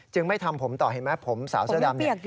ไม่ทำผมต่อเห็นไหมผมสาวเสื้อดำเนี่ย